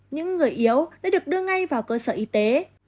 những người yếu đã được đưa ngay vào cơ sở y tế